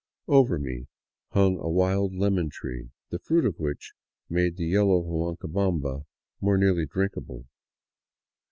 Over me hung a wild lemon tree, the fruit of which made the yellow Huancabamba more nearly drinkable.